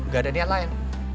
gak ada niat lain